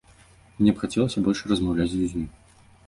Мне хацелася больш размаўляць з людзьмі.